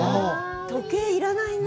時計要らないな、